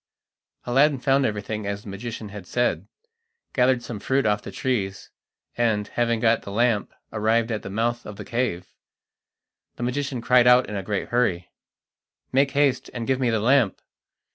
Aladdin found everything as the magician had said, gathered some fruit off the trees, and, having got the lamp, arrived at the mouth of the cave. The magician cried out in a great hurry: "Make haste and give me the lamp."